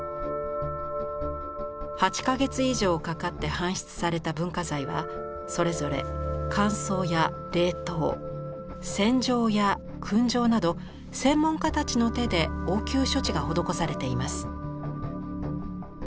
８か月以上かかって搬出された文化財はそれぞれ乾燥や冷凍洗浄やくん蒸など専門家たちの手で応急処置が施されています。